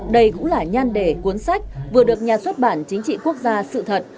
đây cũng là nhan đề cuốn sách vừa được nhà xuất bản chính trị quốc gia sự thật